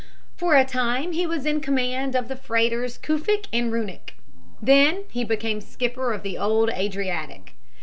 For a time he was in command of the freighters Cufic and Runic; then he became skipper of the old Adriatic.